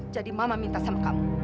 jadi mama minta sama kamu